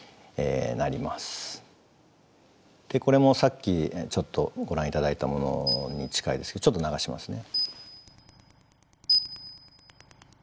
これもさっきちょっとご覧頂いたものに近いですけどちょっと流しますね。